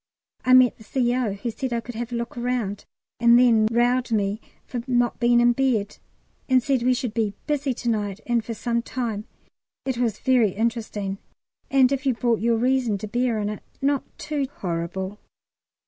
I met the C.O., who said I could have a look round, and then rowed me for not being in bed, and said we should be busy to night and for some time. It was very interesting, and if you brought your reason to bear on it, not too horrible.